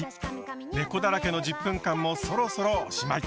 ねこだらけの１０分間もそろそろおしまい。